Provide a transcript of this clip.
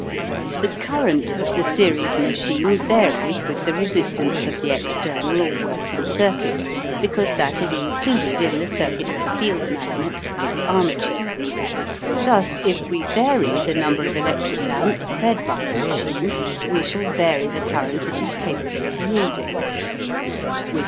The current of the series machine varies with the resistance of the external or working circuit, because that is included in the circuit of the field magnets and the armature. Thus, if we vary the number of electric lamps fed by the machine, we shall vary the current it is capable of yielding.